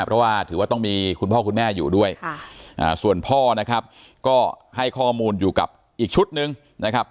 เพราะว่าถือว่าต้องมีคุณพ่อคุณแม่อยู่ด้วยส่วนพ่อนะครับก็ให้ข้อมูลอยู่กับอีกชุดหนึ่งนะครับ